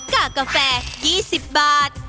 กากกาแฟ๒๐บาท